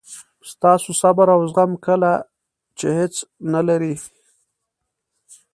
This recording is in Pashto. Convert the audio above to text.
ستاسو صبر او زغم کله چې هیڅ نه لرئ.